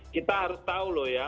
kita harus tahu loh ya